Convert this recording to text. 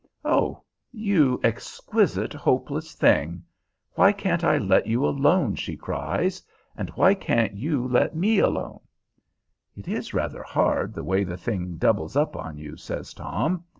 "Oh, you exquisite, hopeless thing! Why can't I let you alone!" she cries; "and why can't you let me alone!" "It is rather hard, the way the thing doubles up on you," says Tom.